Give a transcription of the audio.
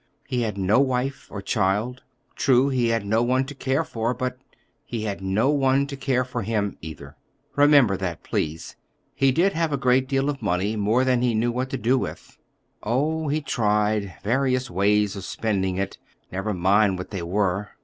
He had no wife or child. True, he had no one to care for, but—he had no one to care for him, either. Remember that, please. He did have a great deal of money—more than he knew what to do with. Oh, he tried—various ways of spending it. Never mind what they were.